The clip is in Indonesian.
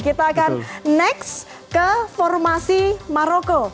kita akan next ke formasi maroko